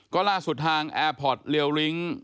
ก็ล่าสุดทางแอร์พอร์ตเรียวลิ้ง